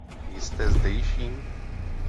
Jste zdejší?